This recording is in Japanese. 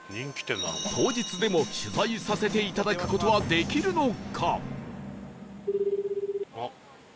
当日でも取材させていただく事はできるのか？